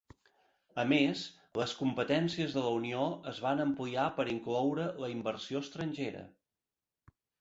A més, les competències de la Unió es van ampliar per incloure la inversió estrangera.